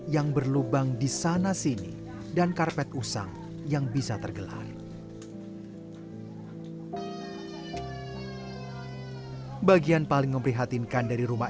sangat berhati hati saat memasak